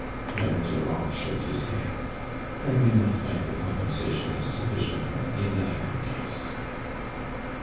Young Durand shook his hojul. •• I do not find the compensation a sufficient one in either case."